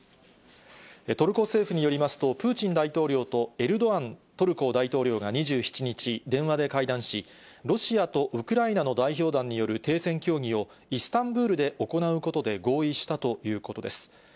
トルコ政府によりますと、プーチン大統領とエルドアントルコ大統領が２７日、電話で会談し、ロシアとウクライナの代表団による停戦協議を、イスタンブールで行うことで合意したということです。